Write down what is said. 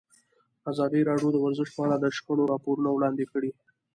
ازادي راډیو د ورزش په اړه د شخړو راپورونه وړاندې کړي.